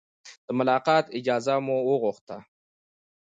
د ملاقات اجازه مو وغوښته.